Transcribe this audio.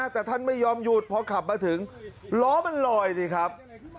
แต่ท่านไม่ยอมหยุดพอขับมาถึงล้อมันลอยสิครับ